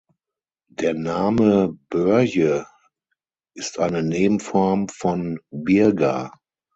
Der Name Börje ist eine Nebenform von Birger.